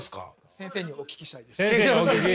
先生にお聞きしたい？